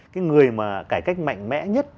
cái người mà cải cách mạnh mẽ nhất